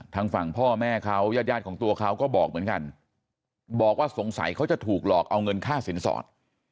ทางฝั่งพ่อแม่เขาญาติยาดของตัวเขาก็บอกเหมือนกันบอกว่าสงสัยเขาจะถูกหลอกเอาเงินค่าสินสอด